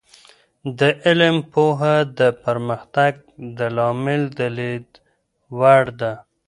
د علم پوهه د پرمختګ د لامله د لید وړ ده.